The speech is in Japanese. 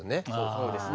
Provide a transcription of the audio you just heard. そうですね。